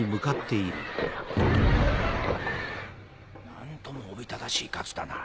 何ともおびただしい数だな。